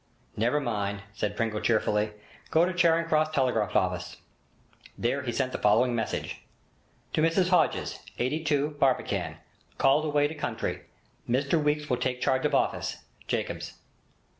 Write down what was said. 'Never mind,' said Pringle cheerfully. 'Go to Charing Cross telegraph office.' There he sent the following message: 'To Mrs Hodges, 82, Barbican. Called away to country. Mr Weeks will take charge of office—Jacobs.'